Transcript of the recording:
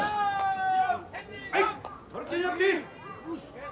はい！